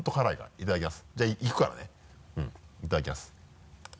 いただきます。